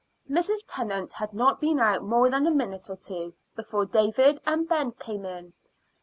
Mrs. Tennant had not been out more than a minute or two before David and Ben came in.